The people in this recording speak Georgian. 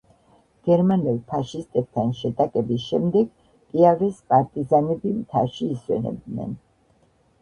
გერმანელ ფაშისტებთან შეტაკების შემდეგ „პიავეს“ პარტიზანები მთაში ისვენებდნენ.